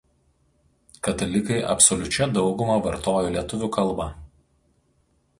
Katalikai absoliučia dauguma vartoja lietuvių kalbą.